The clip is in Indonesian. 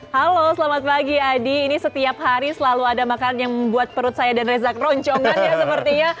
halo selamat pagi adi ini setiap hari selalu ada makanan yang membuat perut saya dan reza keroncongan ya sepertinya